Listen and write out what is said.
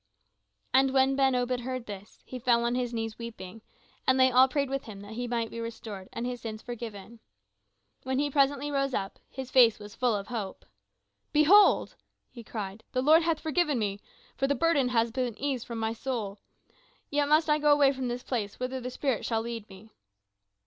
And when Ben Obed heard this, he fell on his knees weeping, and they all prayed with him that he might yet be restored and his sins forgiven. When presently he rose up, his face was full of hope. "Behold," he cried, "the Lord hath forgiven me, for the burden hath been eased from off my soul. Yet must I go away from this place whither the spirit shall lead me."